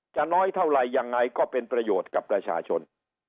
น้อยเท่าไหร่ยังไงก็เป็นประโยชน์กับประชาชน